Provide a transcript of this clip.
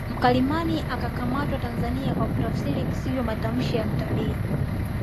Mkalimani akamatwa Tanzania kwa kutafsiri visivyo matamshi ya mtalii